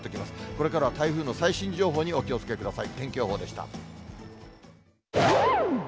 これからは台風の最新情報にお気をつけください。